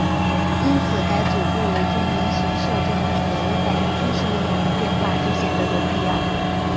因此改组顾维钧临时摄政内阁以反映军事力量的变化就显得有必要。